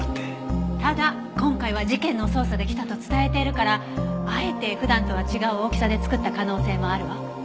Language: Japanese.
ただ今回は事件の捜査で来たと伝えているからあえて普段とは違う大きさで作った可能性もあるわ。